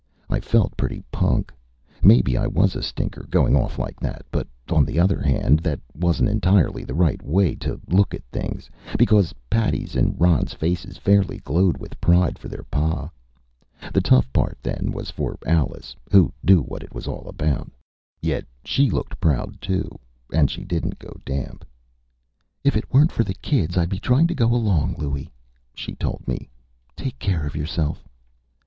I felt pretty punk. Maybe I was a stinker, going off like that. But, on the other hand, that wasn't entirely the right way to look at things, because Patty's and Ron's faces fairly glowed with pride for their pa. The tough part, then, was for Alice, who knew what it was all about. Yet she looked proud, too. And she didn't go damp. "If it weren't for the kids, I'd be trying to go along, Louie," she told me. "Take care of yourself."